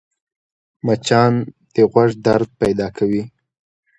مچان د غوږ درد پیدا کوي